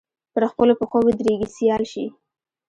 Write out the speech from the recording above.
پر خپلو پښو ودرېږي سیال شي